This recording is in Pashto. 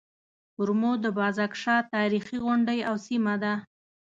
کرمو د بازک شاه تاريخي غونډۍ او سيمه ده.